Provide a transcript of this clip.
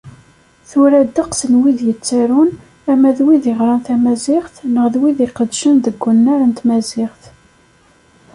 Tura ddeqs n wid yettarun, ama d wid i ɣran tamaziɣt neɣ d wid i iqeddcen deg unnar n tmaziɣt.